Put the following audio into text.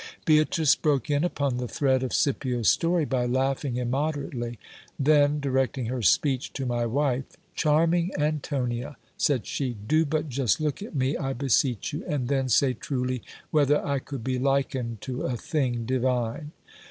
Beatrice broke in upon the thread of Scipio's story by laughing immoderate ly : then, directing her speech to my wife, Charming Antonia, said she, do but just look at me, I beseech you, and then say truly, whether I could be likened to a thing divine.